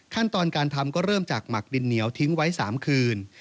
ขั้นตอนการทำก็เริ่มจากหมักดินเหนียวทิ้งไว้๓คืน